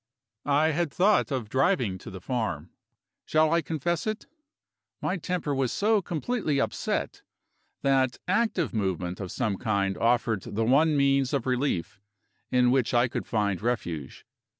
I had thought of driving to the farm. Shall I confess it? My temper was so completely upset that active movement of some kind offered the one means of relief in which I could find refuge.